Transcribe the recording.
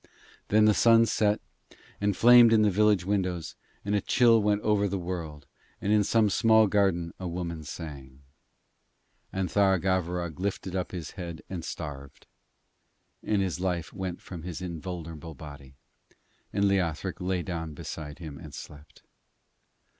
Then the sun set and flamed in the village windows, and a chill went over the world, and in some small garden a woman sang; and Tharagavverug lifted up his head and starved, and his life went from his invulnerable body, and Leothric lay down beside him and slept.